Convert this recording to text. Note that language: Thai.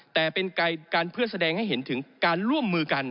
แต่เป็นการเพื่อแสดงให้เห็นถึงการร่วมมือกัน